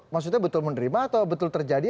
maksudnya betul menerima atau betul terjadi